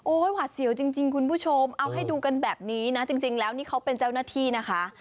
หวัดเสียวจริงคุณผู้ชมเอาให้ดูกันแบบนี้นะจริงแล้วนี่เขาเป็นเจ้าหน้าที่นะคะ